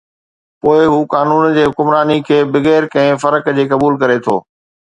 پوءِ هو قانون جي حڪمراني کي بغير ڪنهن فرق جي قبول ڪري ٿو.